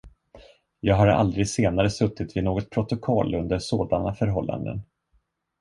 Jag har aldrig senare suttit vid något protokoll under sådana förhållanden.